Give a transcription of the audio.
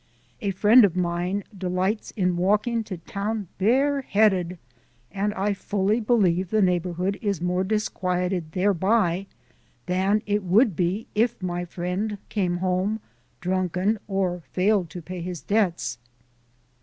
A friend of mine delights in walking to town bareheaded, and I fully believe the neighbourhood is more disquieted thereby than it would be if my friend came home drunken or failed to pay his debts.